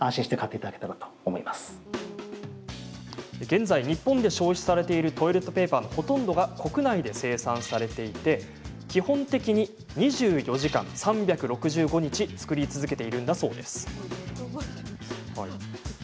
現在、日本で消費されているトイレットペーパーのほとんどが国内で生産されていて基本的に２４時間３６５日作り続けているんだそうです。